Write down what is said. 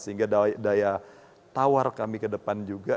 sehingga daya tawar kami ke depan juga